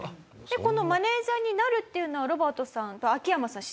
このマネジャーになるっていうのはロバートさん秋山さん